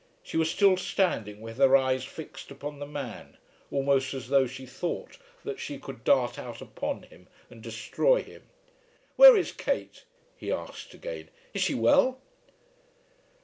She was still standing with her eyes fixed upon the man, almost as though she thought that she could dart out upon him and destroy him. "Where is Kate?" he asked again. "Is she well?"